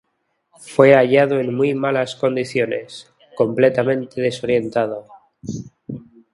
Fue hallado en muy malas condiciones, completamente desorientado.